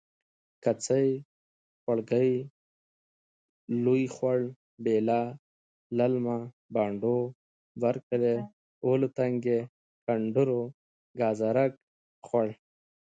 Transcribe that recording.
کڅۍ.خوړګۍ.لوی خوړ.بیله.للمه.بانډو.برکلی. ولو تنګی.کنډرو.ګازرک خوړ.